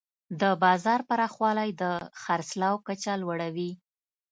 د بازار پراخوالی د خرڅلاو کچه لوړوي.